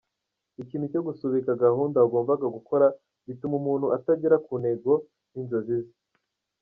Ikintu cyo gusubika gahunda wagombaga gukora bituma umuntu atagera ku ntego n’inzozi ze.